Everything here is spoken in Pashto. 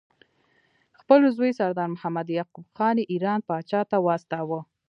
خپل زوی سردار محمد یعقوب خان یې ایران پاچا ته واستاوه.